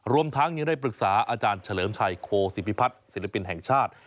รวมทั้งยังได้ปรึกษาอาจารย์เฉลิมชัยโคศิพิพัฒน์ศิลปินแห่งชาติ